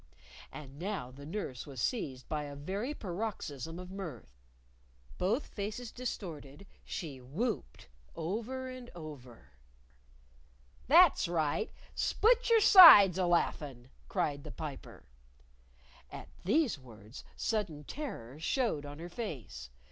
And now the nurse was seized by a very paroxysm of mirth. Both faces distorted, she whopped over and over. "That's right! Split your sides alaughin'," cried the Piper. At these words, sudden terror showed on her face.